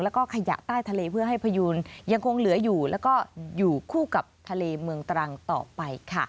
แล้วก็ขยะใต้ทะเลเพื่อให้พยูนยังคงเหลืออยู่แล้วก็อยู่คู่กับทะเลเมืองตรังต่อไปค่ะ